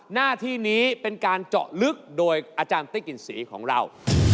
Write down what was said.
หน้าที่นี้เป็นการเจาะลึกโดยอาจารย์ติ๊กกลิ่นสีของเรา